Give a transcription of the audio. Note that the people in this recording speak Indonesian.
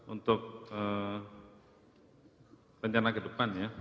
untuk rencana kedepannya